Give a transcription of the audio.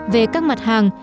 về các mặt hàng